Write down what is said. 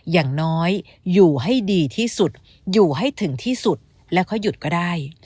อย่างน้อยอยู่ให้ดีที่สุดอยู่ให้ถึงที่สุดแล้วค่อยหยุดก็ได้